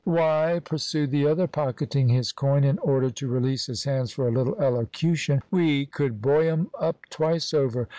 "Why," pursued the other, pocketing his coin in order to release his hands for a little elocution, "we could boy 'em up twice over.